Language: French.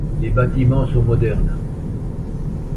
Les bâtiments sont modernes.